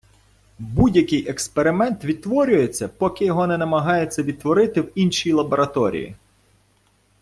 Будь-який експеримент відтворюється, поки його не намагаються відтворити в іншій лабораторії.